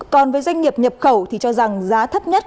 còn với doanh nghiệp nhập khẩu thì cho rằng giá thấp nhất